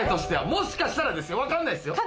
もしかしたらですよ分かんないですよ。